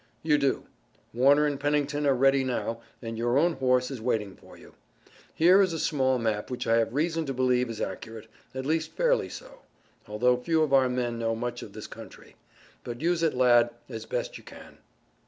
"You do. Warner and Pennington are ready now, and your own horse is waiting for you. Here is a small map which I have reason to believe is accurate, at least fairly so, although few of our men know much of this country. But use it, lad, as best you can."